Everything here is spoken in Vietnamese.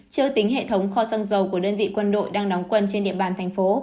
chưa tính hệ thống kho xăng dầu của đơn vị quân đội đang đóng quân trên địa bàn thành phố